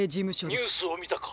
☎ニュースをみたか？